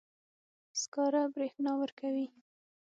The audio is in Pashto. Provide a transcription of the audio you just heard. سکاره برېښنا ورکوي.